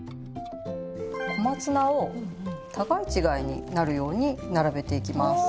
小松菜を互い違いになるように並べていきます。